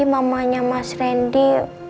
mamanya mas randy